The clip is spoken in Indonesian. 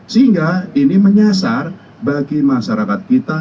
sehingga ini menyasar bagi masyarakat kita